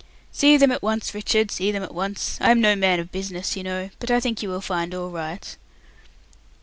"See them at once, Richard; see them at once. I am no man of business, you know, but I think you will find all right."